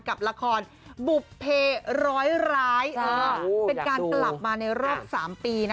กับละครบุภเพร้อยร้ายเป็นการกลับมาในรอบ๓ปีนะ